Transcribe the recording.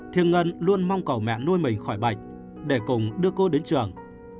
thiêng ngân luôn mong cầu mẹ nuôi mình khỏi bệnh để cùng đưa cô đến trường